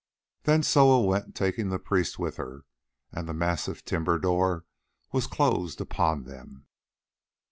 Then Soa went taking the priests with her, and the massive timber door was closed upon them.